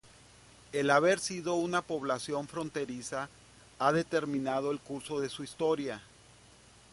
El haber sido una población fronteriza ha determinado el curso de su historia.